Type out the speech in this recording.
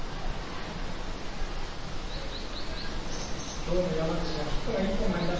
きょうの山口はヒットが１本あります。